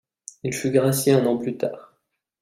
Il fut gracié un an plus tard.